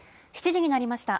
７時になりました。